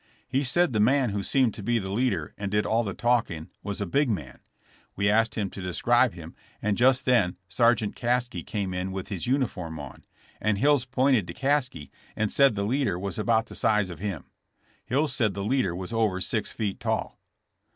He said the man who seemed to be the leader and did all the talking was a big man. We asked him to describe him and just then Sergeant Caskey came in with his uniform on, and Hills pointed to Caskey and said the leader was about the size of him. Hills said the leader was over six feet tall."